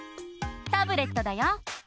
タブレットだよ！